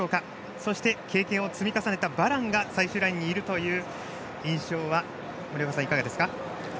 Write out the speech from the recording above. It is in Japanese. そして経験を積み重ねたバランが最終ラインにいるという印象は、森岡さんいかがですか。